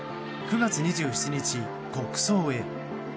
９月２７日、国葬へ。